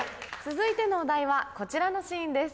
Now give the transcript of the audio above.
続いてのお題はこちらのシーンです。